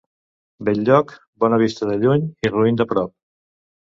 Bell-lloc, bona vista de lluny i roín de prop.